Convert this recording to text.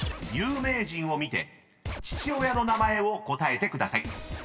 有名人を見て父親の名前を答えてください］